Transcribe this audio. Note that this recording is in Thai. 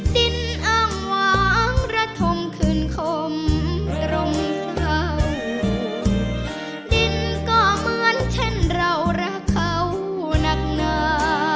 ดินอ้างวางระทมคืนคมโรงเศร้าดินก็เหมือนเช่นเรารักเขานักหนา